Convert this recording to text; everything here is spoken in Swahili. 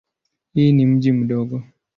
Hii ni mji mdogo.